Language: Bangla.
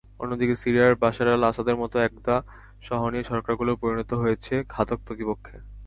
অন্যদিকে সিরিয়ার বাশার আল-আসাদের মতো একদা সহনীয় সরকারগুলো পরিণত হয়েছে ঘাতক প্রতিপক্ষে।